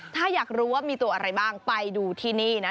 ถ้าอยากรู้ว่ามีตัวอะไรบ้างไปดูที่นี่นะ